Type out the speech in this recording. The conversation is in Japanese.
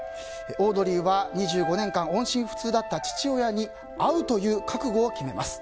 オードリーは２５年間音信不通だった父親に会うという覚悟を決めます。